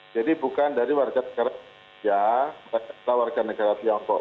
jadi bukan dari warga negara tiongkok